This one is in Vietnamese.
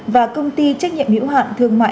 và công ty trách nhiệm hữu hạn thương mại